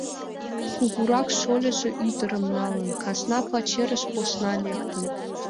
Кугурак шольыжо ӱдырым налын, казна пачерыш посна лектын.